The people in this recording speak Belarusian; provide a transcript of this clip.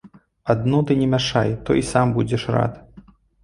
Адно ты не мяшай, то і сам будзеш рад.